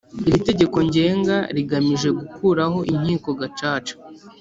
Iri tegeko ngenga rigamije gukuraho Inkiko Gacaca